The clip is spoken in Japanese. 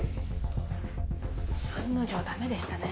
案の定ダメでしたね。